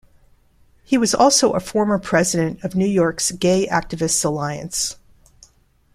He was also a former president of New York's Gay Activists Alliance.